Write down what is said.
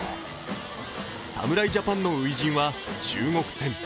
侍ジャパンの初陣は中国戦。